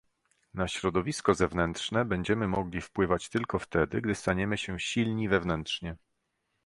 Na środowisko zewnętrzne będziemy mogli wpływać tylko wtedy, gdy staniemy się silni wewnętrznie